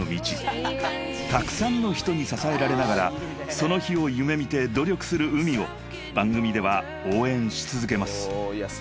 ［たくさんの人に支えられながらその日を夢見て努力するＵＭＩを番組では応援し続けます］